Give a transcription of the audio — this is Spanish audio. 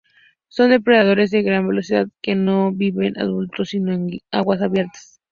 Son depredadores de gran velocidad, que no viven ocultos sino en aguas abiertas.